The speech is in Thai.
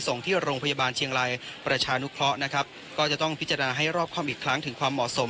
ส่งโรงพยาบาลเชียงรายประชานุเคราะห์นะครับก็จะต้องพิจารณาให้รอบครอบอีกครั้งถึงความเหมาะสม